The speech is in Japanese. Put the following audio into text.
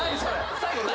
最後何？